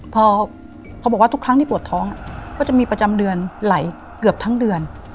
พอเขาบอกว่าทุกครั้งที่ปวดท้องก็จะมีประจำเดือนไหลเกือบทั้งเดือน